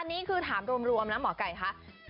อันนี้คือถามรวมเนี่ยหมอกใหกล้คะ